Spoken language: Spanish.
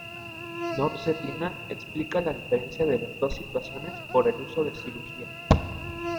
Knorr Cetina explica la diferencia de las dos situaciones por el uso de cirugía.